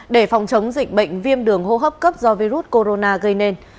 để phòng chống dịch bệnh viêm đường hô hấp cấp do virus corona gây nên